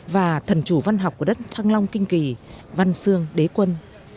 và thần chủ văn học của đất thăng long kinh kỳ văn sương đế quân